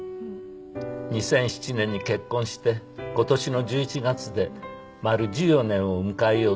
「２００７年に結婚して今年の１１月で丸１４年を迎えようとしています」